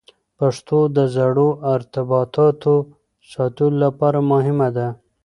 پښتو د زړو ارتباطاتو ساتلو لپاره مهمه ده.